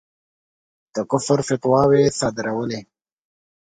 د کُفر فتواوې صادرولې.